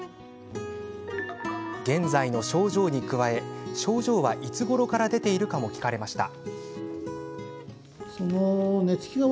現在の症状に加え症状はいつごろから出ているかも聞かれました。